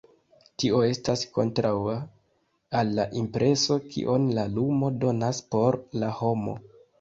Tio estas kontraŭa al la impreso kion la lumo donas por la homo.